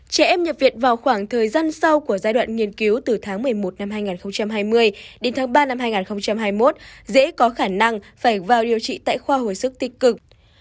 trẻ em nhập viện vào khoảng thời gian sau của giai đoạn nghiên cứu từ tháng một mươi một năm hai nghìn hai mươi đến tháng ba năm hai nghìn hai mươi một dễ có khả năng phải vào điều trị tại khoa hồi sức tích cực